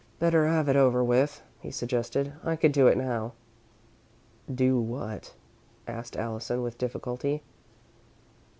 "Better have it over with," he suggested. "I can do it now." "Do what?" asked Allison, with difficulty.